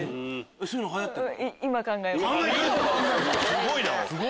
すごいな！